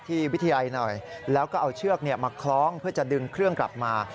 วิทยาลัยหน่อยแล้วก็เอาเชือกมาคล้องเพื่อจะดึงเครื่องกลับมา